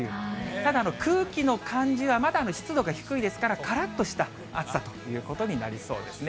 ただ空気の感じはまだね、湿度が低いですから、からっとした暑さということになりそうですね。